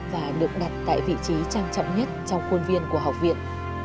và được đặt tại vị trí trang trọng nhất trong khuôn viên của học viện